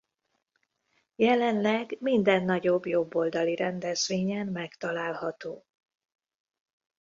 Jelenleg minden nagyobb jobboldali rendezvényen megtalálható.